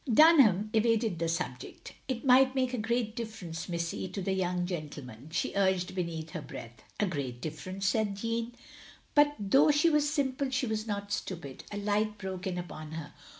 Dunham evaded the subject. "It might make a great difference, missy, to the young gentleman," she urged beneath her breath. " A great difference !'' said Jeanne. But though she was simple she was not stupid. A light broke in upon her.